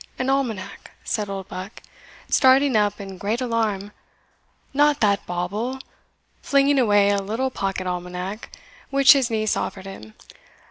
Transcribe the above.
an almanac!" said Oldbuck, starting up in great alarm "not that bauble!" flinging away a little pocket almanac which his niece offered him.